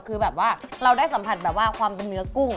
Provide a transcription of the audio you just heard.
คือแบบว่าเราได้สัมผัสแบบว่าความเป็นเนื้อกุ้ง